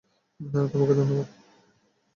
না, তোমাকে ধন্যবাদ!